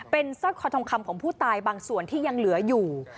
เป็นสร้อยคอทองคำของผู้ตายบางส่วนที่ยังเหลืออยู่